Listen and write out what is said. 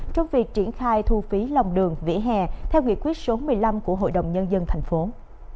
khi triển khai thu phí lòng đường vỉa hè theo nghị quyết số một mươi năm của hội đồng nhân dân tp hcm